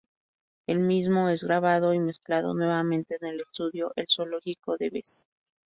El mismo es grabado y mezclado nuevamente en el estudio "El Zoológico", de Bs.